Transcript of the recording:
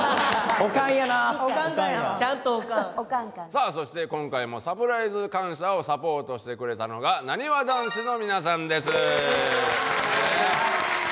さあそして今回もサプライズ感謝をサポートしてくれたのがなにわ男子の皆さんです。